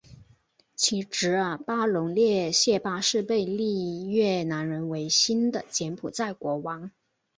其侄儿巴龙列谢八世被立越南人为新的柬埔寨国王。